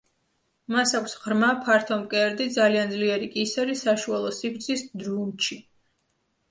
მას აქვს ღრმა, ფართო მკერდი, ძალიან ძლიერი კისერი, საშუალო სიგრძის დრუნჩი.